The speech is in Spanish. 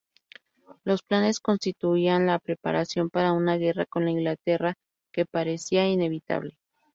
Los planes constituían la preparación para una guerra con Inglaterra, que parecía inevitable.